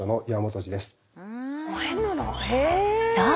［そう。